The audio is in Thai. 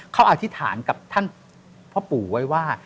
เขาอธิษฐานกับท่านพ่อปู่ไว้ว่า